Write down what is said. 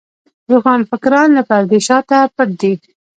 روښانفکران له پردې شاته پټ دي.